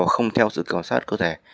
không theo sự kiểm soát cơ thể